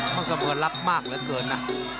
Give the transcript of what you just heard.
ความรับมากเหลือเกินนะ